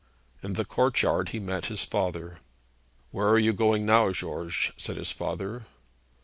In the courtyard he met his father. 'Where are you going now, George?' said his father.